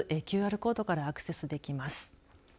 ＱＲコードからアクセスできます。